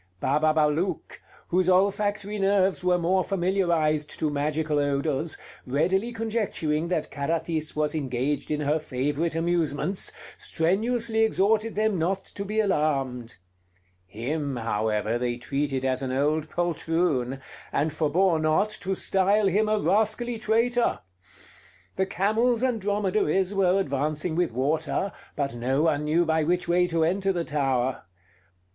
Bababalouk, whose olfactory nerves were more familiarized to magical odors, readily conjecturing that Carathis was engaged in her favorite amusements, strenuously exhorted them not to be alarmed. Him, however, they treated as an old poltroon; and forbore not to style him a rascally traitor. The camels and dromedaries were advancing with water, but no one knew by which way to enter the tower.